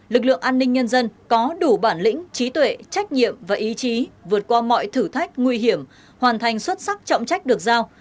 lực lượng an ninh nhân dân có đủ bản lĩnh trí tuệ trách nhiệm và ý chí vượt qua mọi thử thách nguy hiểm hoàn thành xuất sắc trọng trách được giao